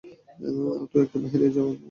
তো, একটু বাহিরেই যাও না?